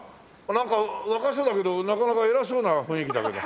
なんか若そうだけどなかなか偉そうな雰囲気だけど。